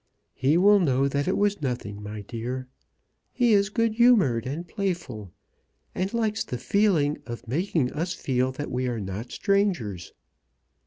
"He will know that it was nothing, my dear. He is good humoured and playful, and likes the feeling of making us feel that we are not strangers."